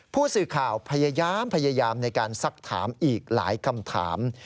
ผู้สื่อข่าวพยายามในการซักถามอีกหลายคำถาม